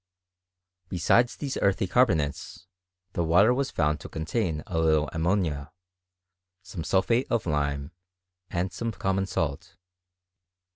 * Besides tiiesa earthy carbonates, the water was found to contain a little ammonia, some sulphate of lime, and some com mon salt.